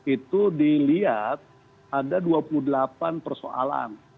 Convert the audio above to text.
itu dilihat ada dua puluh delapan persoalan